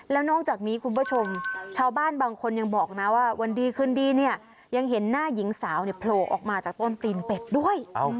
แล้วนอกจากนี้คุณผู้ชมชาวบ้านบางคนยังบอกนะว่าวันดีคืนดีเนี่ยยังเห็นหน้าหญิงสาวเนี่ยโผล่ออกมาจากต้นตีนเป็ดด้วย